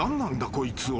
こいつは］